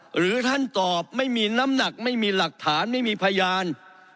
หรือท่านตอบไม่มีน้ำหนักไม่มีหลักฐานไม่มีพยาน